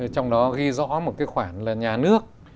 trong đó ghi rõ một cái khoản là nhà nước